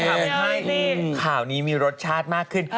ทำให้ข่าวนี้มีรสชาติมากขึ้น